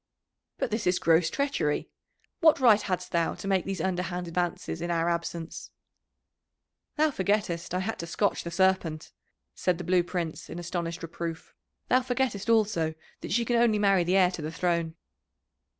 "But this is gross treachery what right hadst thou to make these underhand advances in our absence?" "Thou forgettest I had to scotch the Serpent," said the Blue Prince in astonished reproof. "Thou forgettest also that she can only marry the heir to the throne."